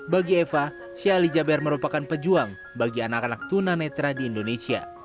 bagi eva sheikh ali jaber merupakan pejuang bagi anak anak tunanetra di indonesia